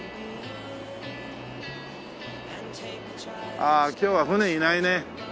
ああ今日は船いないね。